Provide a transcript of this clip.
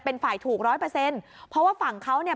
เป็นฝ่ายถูกร้อยเปอร์เซ็นต์เพราะว่าฝั่งเขาเนี่ย